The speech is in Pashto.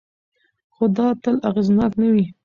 خو دا تل اغېزناک نه وي.